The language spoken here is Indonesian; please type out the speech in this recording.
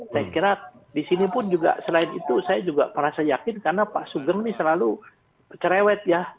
saya kira disini pun juga selain itu saya juga merasa yakin karena pak sugeng ini selalu cerewet ya